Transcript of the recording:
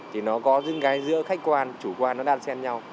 thì nó có những cái giữa khách quan chủ quan nó đang xem nhau